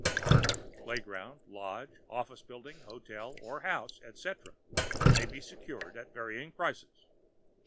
Park, playground, lodge, office building, hotel or house, etc., may be secured at varying prices.